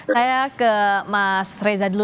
saya ke mas reza dulu